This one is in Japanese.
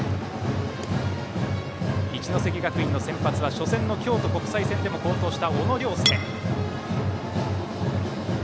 一関学院の先発は初戦の京都国際戦でも好投した小野涼介。